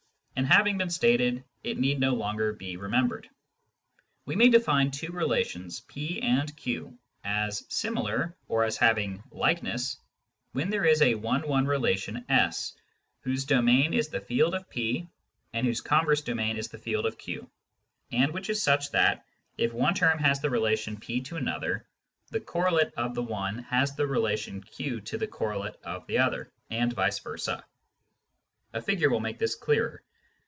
And having been stated, it need no longer be remembered. We may define two relations P and Q as " similar," or as having " likeness," when there is a one one relation S whose domain is the field of P and whose converse domain is the field of Q, and which is such that, if one term has the relation P 54 Introduction to Mathematical Philosophy to another, the correlate of the one has the relation Q to the correlate of the other, and vice versa. A figure will make this clearer.